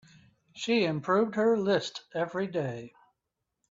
She improved her list every day.